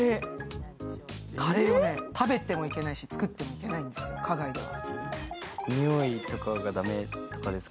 カレーを食べてもいけないし作ってもいけないんですよ、花街では。